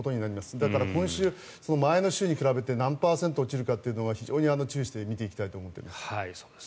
だから今週、前の週に比べて何パーセント落ちるかというのに非常に注意して見ていきたいと思っています。